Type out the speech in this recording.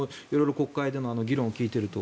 国会での議論を聞いていると。